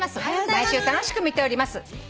「毎週楽しく見ております」